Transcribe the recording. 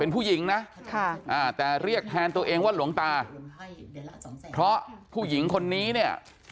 คือเรียกแทนตัวเองว่าหลวงตาเพราะผู้หญิงคนนี้เนี่ย